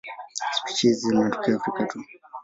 Spishi hizi zinatokea Afrika tu.